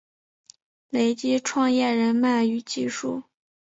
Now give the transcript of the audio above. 累积创业人脉与技术